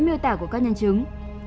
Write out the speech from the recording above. ký tả của các nhân chứng